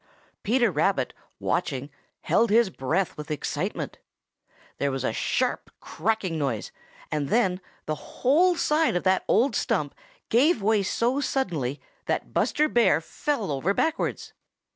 Peter Rabbit, watching, held his breath with excitement. There was a sharp cracking sound, and then the whole side of that old stump gave way so suddenly that Buster Bear fell over backwards.